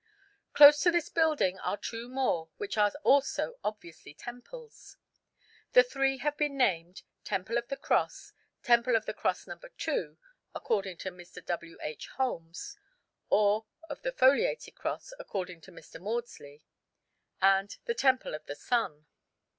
Close to this building are two more which are also obviously temples. The three have been named Temple of the Cross, Temple of the Cross No. 2 (according to Mr. W. H. Holmes), or of the Foliated Cross (according to Mr. Maudslay), and the Temple of the Sun.